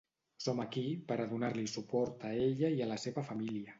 Som aquí per a donar-li suport a ella i a la seva família.